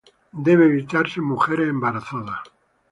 Debe evitarse en mujeres embarazadas.